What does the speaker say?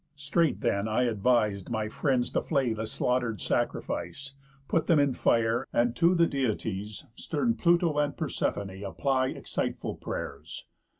Straight then I advis'd My friends to flay the slaughter'd sacrifice, Put them in fire, and to the Deities, Stern Pluto and Persephoné, apply Exciteful pray'rs.